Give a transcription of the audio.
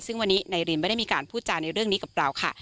ซึ่งวันนี้นายรินไม่ได้มีการพูดจาในเรื่องนี้กับเราค่ะ